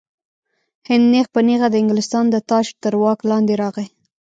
هند نیغ په نیغه د انګلستان د تاج تر واک لاندې راغی.